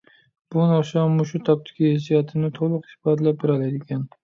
بۇ ناخشا مۇشۇ تاپتىكى ھېسسىياتىمنى تولۇق ئىپادىلەپ بېرەلەيدىكەن.